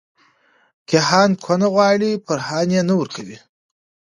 کیهان کونه غواړې.فرحان یی نه ورکوې